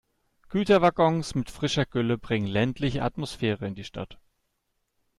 Güterwaggons mit frischer Gülle bringen ländliche Atmosphäre in die Stadt.